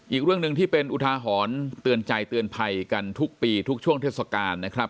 อีกเรื่องหนึ่งที่เป็นอุทาหรณ์เตือนใจเตือนภัยกันทุกปีทุกช่วงเทศกาลนะครับ